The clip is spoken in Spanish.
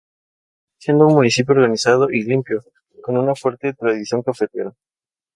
Continúa siendo un municipio organizado y limpio, con una fuerte tradición cafetera.